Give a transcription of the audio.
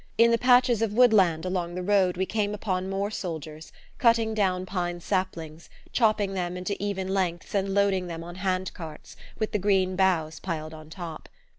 In the patches of woodland along the road we came upon more soldiers, cutting down pine saplings, chopping them into even lengths and loading them on hand carts, with the green boughs piled on top.